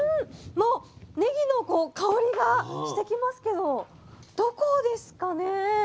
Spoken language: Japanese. もうねぎの香りがしてきますけどどこですかね？